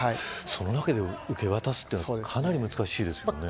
その中で受け渡すのはかなり難しいですよね。